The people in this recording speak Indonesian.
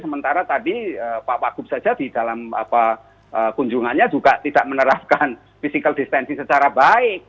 sementara tadi pak wagup saja di dalam kunjungannya juga tidak menerapkan physical distancing secara baik